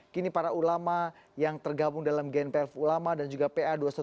kini para ulama yang tergabung dalam gnpf ulama dan juga pa dua ratus dua belas